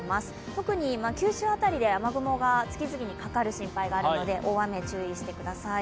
特に九州辺りで雨雲が次々にかかる心配があるので大雨に注意してください。